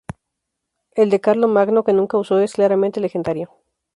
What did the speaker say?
El de Carlomagno, que nunca usó, es claramente legendario.